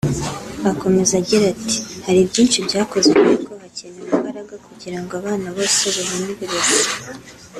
Akomeza agira ati “Hari byinshi byakozwe ariko hakenewe imbaraga kugira ngo abana bose babone uburezi